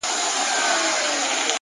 مثبت ذهن پر پرمختګ تمرکز کوي!